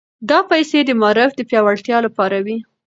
دا پيسې د معارف د پياوړتيا لپاره وې.